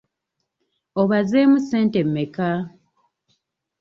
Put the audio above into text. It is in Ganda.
Obazeemu ssente mmeka?